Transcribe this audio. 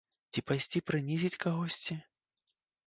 Ці пайсці прынізіць кагосьці?